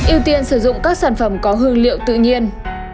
ưu tiên sử dụng các sản phẩm có hương liệu tự nhiên